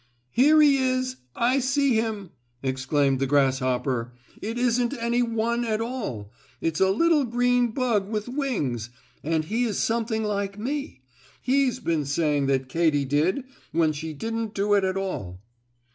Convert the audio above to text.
"Here he is I see him!" exclaimed the grasshopper. "It isn't any one at all it's a little green bug with wings, and he is something like me. He's been saying that 'Katy did' when she didn't do it at all."